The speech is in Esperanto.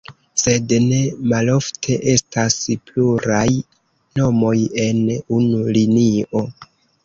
Sed, ne malofte estas pluraj nomoj en unu linio.